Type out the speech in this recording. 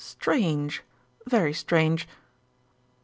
"Strange, very strange."